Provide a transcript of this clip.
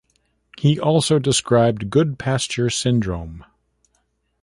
He also described Goodpasture syndrome.